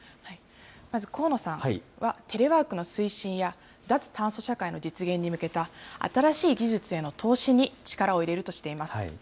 まず河野さんはテレワークの推進や脱炭素社会の実現に向けた新しい技術への投資に力を入れるとしています。